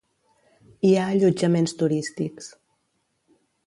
Hi ha allotjaments turístics.